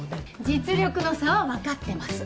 実力の差はわかってます。